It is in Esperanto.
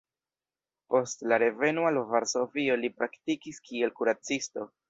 Post la reveno al Varsovio li praktikis kiel kuracisto.